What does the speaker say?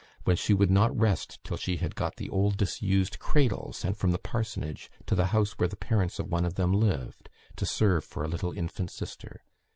when she would not rest till she had got the old disused cradle sent from the parsonage to the house where the parents of one of them lived, to serve for a little infant sister.